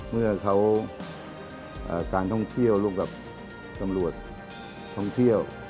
เมื่อการท่องเที่ยวบวกกับท่องเที่ยว